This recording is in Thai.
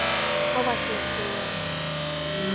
ประวัติส่วนตัว